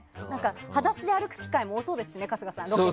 裸足で歩く機会も多そうですね、春日さん。